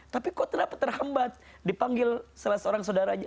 tapi kok kenapa terhambat dipanggil salah seorang saudaranya